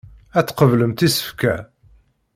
Ad tqeblemt isefka.